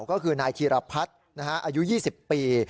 ก็คือนายธีรพัฒน์อายุ๒๐ปี